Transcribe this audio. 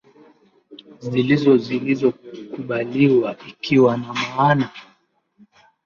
zilizo zilizo zilizo kubaliwa ikiwa na maana